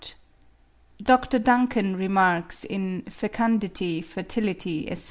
Dr. Duncan remarks ('Fecundity, Fertility, etc.